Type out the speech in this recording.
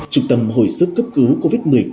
trung tâm hồi sức cấp cứu covid một mươi chín